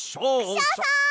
クシャさん！